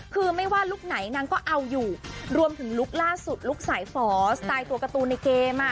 คือไม่ว่าลุคไหนนางก็เอาอยู่รวมถึงลุคล่าสุดลุคสายฝอสไตล์ตัวการ์ตูนในเกมอ่ะ